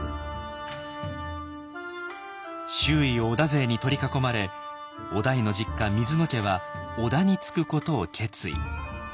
周囲を織田勢に取り囲まれ於大の実家水野家は織田につくことを決意。